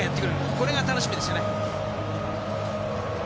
これが楽しみですよね。